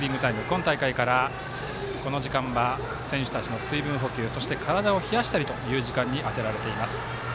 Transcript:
今大会からこの時間は選手たちの水分補給体を冷やしたりという時間にあてられています。